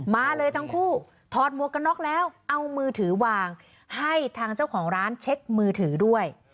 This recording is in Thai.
มาเลยทั้งคู่ถอดหมวกกันน็อกแล้วเอามือถือวางให้ทางเจ้าของร้านเช็คมือถือด้วย